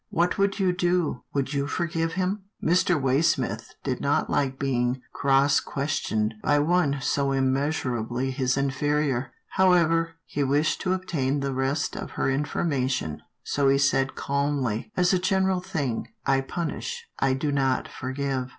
What would you do? Would you forgive him? " Mr. Waysmith did not like being cross ques tioned by one so immeasurably his inferior. How ever, he wished to obtain the rest of her informa tion, so he said calmly, As a general thing, I punish, I do not forgive."